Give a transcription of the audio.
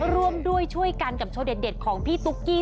ร่วมด้วยช่วยกันกับโชว์เด็ดของพี่ตุ๊กกี้